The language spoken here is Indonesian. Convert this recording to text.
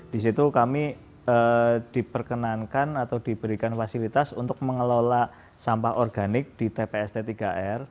di situ kami diperkenankan atau diberikan fasilitas untuk mengelola sampah organik di tpst tiga r